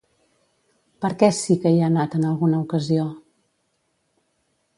Per què sí que hi ha anat en alguna ocasió?